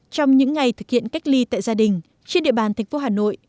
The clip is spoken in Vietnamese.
trong những ngày thực hiện cách ly tại gia đình trên địa bàn tp hà nội